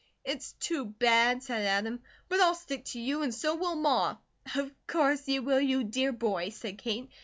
"It's too bad," said Adam, "but I'll stick to you, and so will Ma." "Of course you will, you dear boy," said Kate.